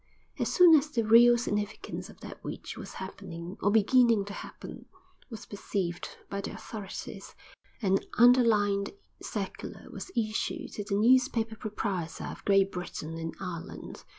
As soon as the real significance of that which was happening, or beginning to happen, was perceived by the authorities, an underlined circular was issued to the newspaper proprietors of Great Britain and Ireland.